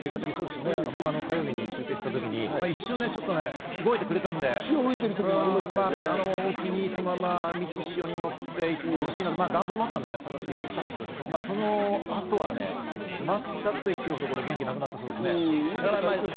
僕は火曜日に中継した時に一瞬動いてくれたんで、沖に満ち潮にのっていってほしいなという願望もあったんですが、その後は全くといっていいほど元気がなくなったそうですね。